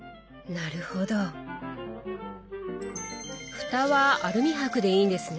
フタはアルミ箔でいいんですね。